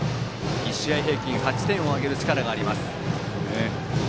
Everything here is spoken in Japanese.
１試合平均８点を挙げる力があります。